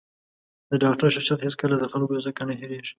د ډاکتر شخصیت هېڅکله د خلکو ځکه نه هېرېـږي.